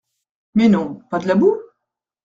Mais non, pas de la boue ?